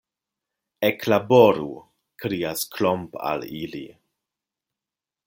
Eklaboru! krias Klomp al ili.